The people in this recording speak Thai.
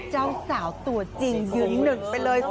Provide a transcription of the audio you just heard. เจ้าสาวตัวจริงยืนหนึ่งไปเลย